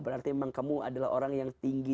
berarti emang kamu adalah orang yang tinggi